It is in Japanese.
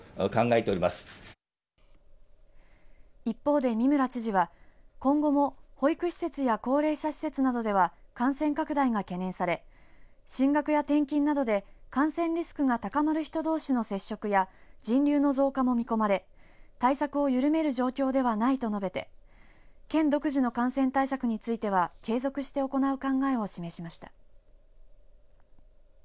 一方で、三村知事は今後も保育施設や高齢者施設などでは感染拡大が懸念され進学や転勤などで感染リスクが高まる人どうしの接触や人流の増加も見込まれ対策を緩める状況ではないと述べて県独自の感染対策については継続して行う考えを示しました。